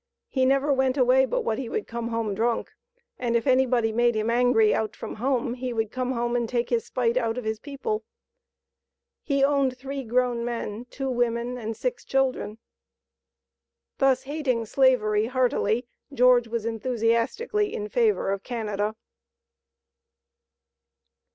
He never went away but what he would come home drunk, and if any body made him angry out from home, he would come home and take his spite out of his people." He owned three grown men, two women and six children. Thus hating Slavery heartily, George was enthusiastically in favor of Canada.